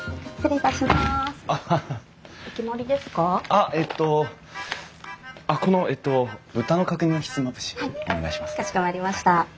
かしこまりました。